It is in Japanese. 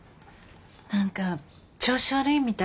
何か調子悪いみたい。